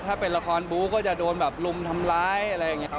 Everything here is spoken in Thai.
ถ้าเป็นละครบู๊ก็จะโดนแบบรุมทำร้ายอะไรอย่างนี้ครับ